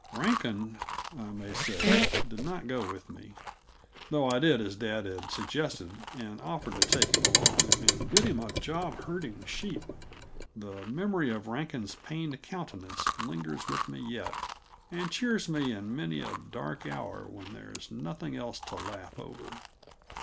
Rankin, I may say, did not go with me, though I did as dad had suggested and offered to take him along and get him a job herding sheep. The memory of Rankin's pained countenance lingers with me yet, and cheers me in many a dark hour when there's nothing else to laugh over.